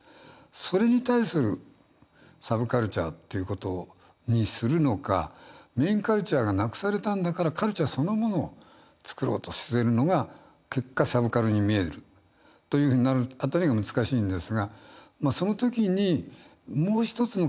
それに対するサブカルチャーっていうことにするのかメインカルチャーがなくされたんだからカルチャーそのものを作ろうとしてるのが結果サブカルに見えるというふうになる辺りが難しいんですがその時に嫌いじゃないのね。